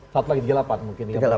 satu lagi tiga puluh delapan mungkin